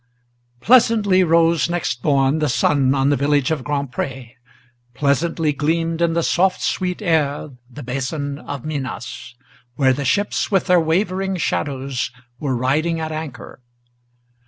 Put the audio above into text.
IV. PLEASANTLY rose next morn the sun on the village of Grand Pré. Pleasantly gleamed in the soft, sweet air the Basin of Minas, Where the ships, with their wavering shadows, were riding at anchor.